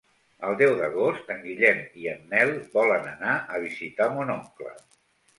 El deu d'agost en Guillem i en Nel volen anar a visitar mon oncle.